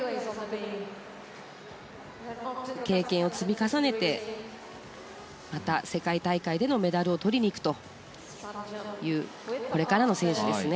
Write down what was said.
経験を積み重ねてまた世界大会でのメダルをとりにいくというこれからの選手ですね。